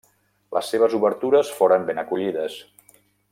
Les seves obertures foren ben acollides.